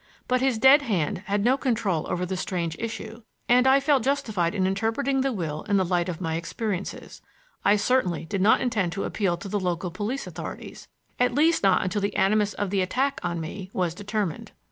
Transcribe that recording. But his dead hand had no control over the strange issue, and I felt justified in interpreting the will in the light of my experiences. I certainly did not intend to appeal to the local police authorities, at least not until the animus of the attack on me was determined.